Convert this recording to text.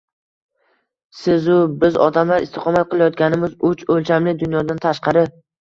Siz-u biz odamlar istiqomat qilayotganimiz uch o‘lchamli dunyodan tashqari